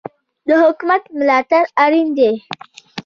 د حکومت ملاتړ اړین دی.